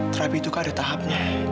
terapi itu kan ada tahapnya